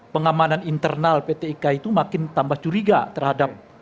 pengamanan internal pt ika itu makin tambah curiga terhadap